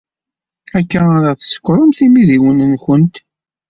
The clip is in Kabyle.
Akka ara tsekkremt imidiwen-nwent?